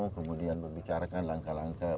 kemudian membicarakan langkah langkahnya